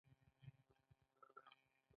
پانګوال د اجراء شوي کار په بدل کې مزد ورکوي